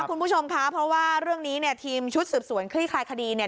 คุณผู้ชมคะเพราะว่าเรื่องนี้เนี่ยทีมชุดสืบสวนคลี่คลายคดีเนี่ย